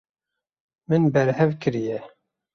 Min berhev kiriye.